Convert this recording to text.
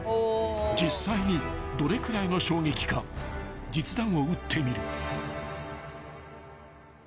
［実際にどれくらいの衝撃か実弾を撃ってみる］